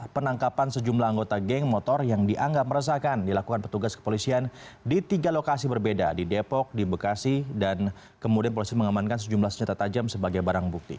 penangkapan sejumlah anggota geng motor yang dianggap meresahkan dilakukan petugas kepolisian di tiga lokasi berbeda di depok di bekasi dan kemudian polisi mengamankan sejumlah senjata tajam sebagai barang bukti